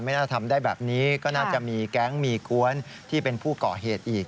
น่าทำได้แบบนี้ก็น่าจะมีแก๊งมีกวนที่เป็นผู้ก่อเหตุอีก